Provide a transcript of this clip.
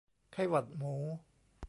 ไข้หวัดหมู